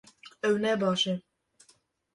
Ew ne baş e